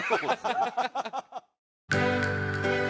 ハハハハ！